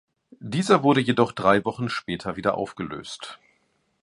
Dieser wurde jedoch drei Wochen später wieder aufgelöst.